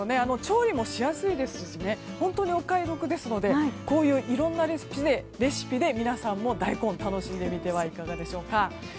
調理もしやすいですし本当にお買い得ですのでこういういろいろなレシピで皆さんも大根を楽しんでみてはいかがでしょうか。